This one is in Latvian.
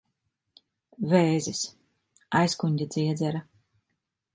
Vēzis. Aizkuņģa dziedzera.